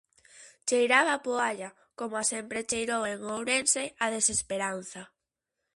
Cheiraba a poalla, coma sempre cheirou en Ourense, a desesperanza.